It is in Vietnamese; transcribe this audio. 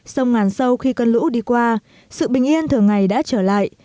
sông ngàn sâu khi cơn lũ đi qua sự bình yên thường ngày đã trở lại